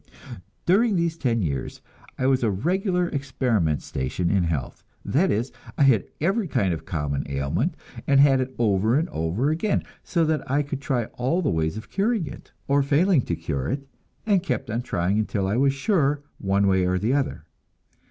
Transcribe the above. During these ten years I was a regular experiment station in health; that is, I had every kind of common ailment, and had it over and over again, so that I could try all the ways of curing it, or failing to cure it, and keep on trying until I was sure, one way or the other.